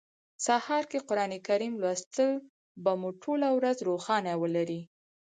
سهار کی قران کریم لوستل به مو ټوله ورځ روښانه ولري